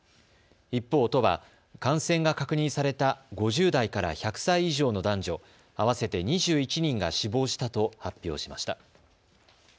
一方、都は感染が確認された５０代から１００歳以上の男女合わせて２１人が死亡したと発表しました。